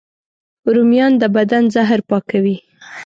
رومیان د بدن زهر پاکوي